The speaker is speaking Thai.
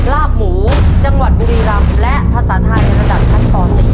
ลาบหมูจังหวัดบุรีรำและภาษาไทยระดับชั้นป๔